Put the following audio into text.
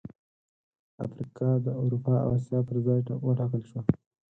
افریقا د اروپا او اسیا پر ځای وټاکل شوه.